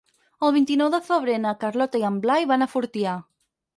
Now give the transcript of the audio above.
El vint-i-nou de febrer na Carlota i en Blai van a Fortià.